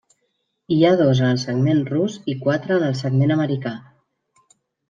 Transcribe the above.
Hi ha dos en el segment rus i quatre en el segment americà.